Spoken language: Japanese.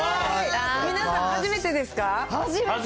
皆さん、初めてですか？